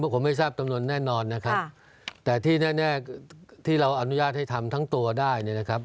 ผมไม่ทราบจำนวนแน่นอนนะครับแต่ที่แน่ที่เราอนุญาตให้ทำทั้งตัวได้เนี่ยนะครับ